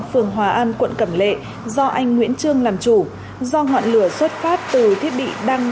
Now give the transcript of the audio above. phường hòa an quận cẩm lệ do anh nguyễn trương làm chủ do ngọn lửa xuất phát từ thiết bị đăng